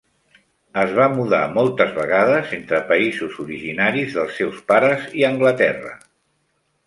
Es va mudar moltes vegades entre països originaris dels seus pares i Anglaterra.